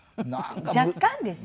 若干ですよ。